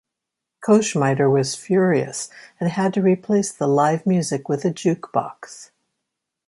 Koschmider was furious, and had to replace the live music with a juke box.